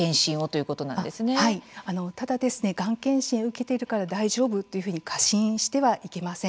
ただ、がん検診を受けているから大丈夫と過信してはいけません。